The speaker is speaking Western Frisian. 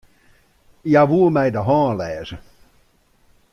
Hja woe my de hân lêze.